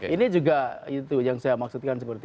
ini juga itu yang saya maksudkan seperti itu